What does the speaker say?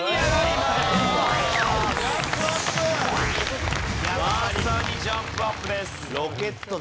まさにジャンプアップです。